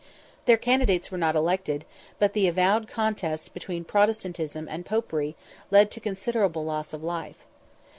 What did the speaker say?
Their candidates were not elected, but the avowed contest between Protestantism and Popery led to considerable loss of life.